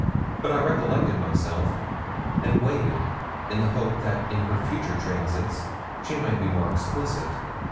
But I recollected myself, and waited in the hope that in her future transits she might be more explicit.